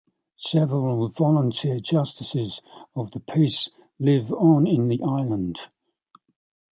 Several volunteer Justices of the peace live on the island.